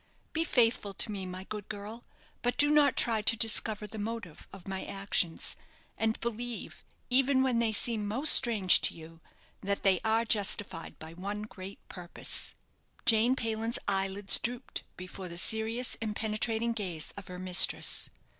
Be faithful to me, my good girl; but do not try to discover the motive of my actions, and believe, even when they seem most strange to you, that they are justified by one great purpose." Jane Payland's eyelids drooped before the serious and penetrating gaze of her mistress.